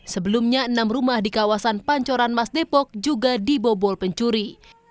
sebelumnya enam rumah di kawasan pancoran mas depok juga dibobol pencuri